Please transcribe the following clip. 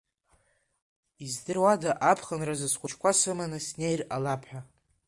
Издыруада аԥхынразы схәыҷқәа сыманы снеир ҟалап ҳәа.